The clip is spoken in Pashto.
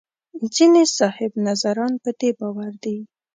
ځینې صاحب نظران په دې باور دي.